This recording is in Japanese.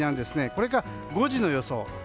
これが５時の予想。